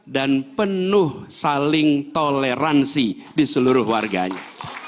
dan penuh saling toleransi di seluruh warganya